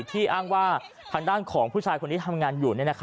อ้างว่าทางด้านของผู้ชายคนนี้ทำงานอยู่